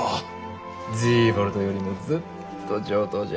ズィーボルトよりもずっと上等じゃ。